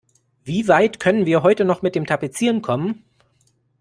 Wie weit können wir heute noch mit dem Tapezieren kommen?